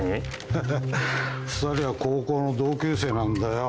ハハッ２人は高校の同級生なんだよ。